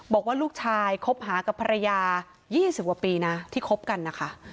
บอกว่าลูกชายคบหากับภรรยา๒๐กว่าปีนะที่คบกันนะคะ